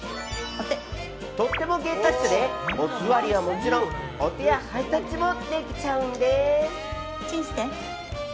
とっても芸達者でおすわりはもちろんお手やハイタッチもできちゃうんです。